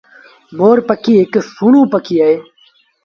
مور پکي هڪڙو سُهيٚڻون پکي اهي۔